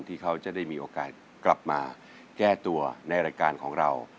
ที่เขาจะได้มีโอกาสกลับมาแก้ตัวในรายการของเรา